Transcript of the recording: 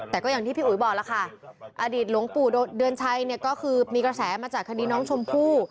แต่ก็อย่างที่พี่อุ๋ยบอกแล้วค่ะอดีตหลวงปู่เดือนชัยเนี่ยก็คือมีกระแสมาจากคดีน้องชมพู่